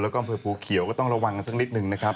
แล้วก็อำเภอภูเขียวก็ต้องระวังกันสักนิดหนึ่งนะครับ